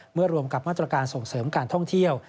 รวมกับมาตรการส่งเสริมการท่องเที่ยว